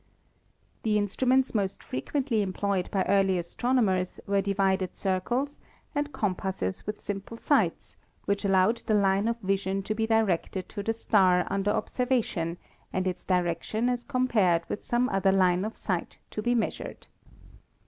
The instruments most frequently employed by early astronomers were divided circles and compasses with sim ple sights which allowed the line of vision to be directed to the star under observation and its direction as com pared with some other line of sight to be measured.